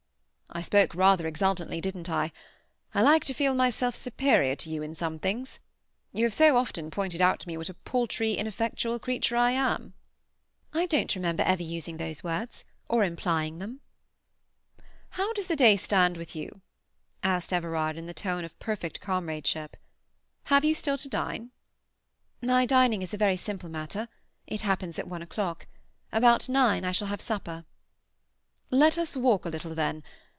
"I spoke rather exultantly, didn't I? I like to feel myself superior to you in some things. You have so often pointed out to me what a paltry, ineffectual creature I am." "I don't remember ever using those words, or implying them." "How does the day stand with you?" asked Everard in the tone of perfect comradeship. "Have you still to dine?" "My dining is a very simple matter; it happens at one o'clock. About nine I shall have supper." "Let us walk a little then.